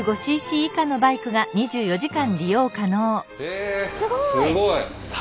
えすごい！